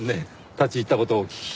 立ち入った事をお聞きして。